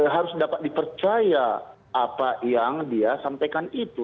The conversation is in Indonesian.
harus dapat dipercaya apa yang dia sampaikan itu